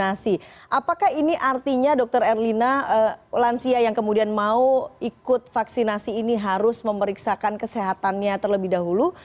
apakah ini artinya dokter erlina lansia yang kemudian mau ikut vaksinasi ini harus memeriksakan kesehatannya terlebih dahulu